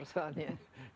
bisnisnya lagi tidur soalnya